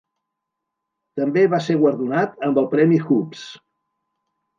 També va ser guardonat amb el premi Hoopes.